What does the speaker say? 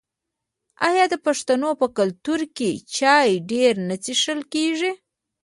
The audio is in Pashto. آیا د پښتنو په کلتور کې چای ډیر نه څښل کیږي؟